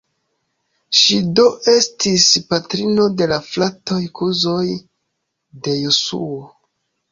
Ŝi do estis patrino de la fratoj-kuzoj de Jesuo.